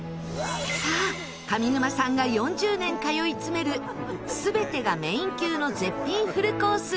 さあ上沼さんが４０年通いつめる全てがメイン級の絶品フルコース